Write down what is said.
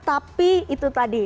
tapi itu tadi